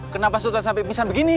kenapa sultan sampai pisan begini